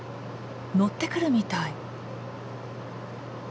乗ってくるみたい。